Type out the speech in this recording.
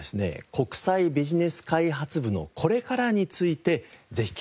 国際ビジネス開発部のこれからについてぜひ聞かせてください。